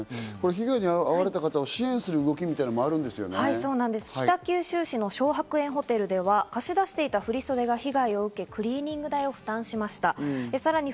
被害に遭われた方を支援する北九州市の松柏園ホテルでは貸し出していた振り袖が被害を受け、クリーニング代を負担しました。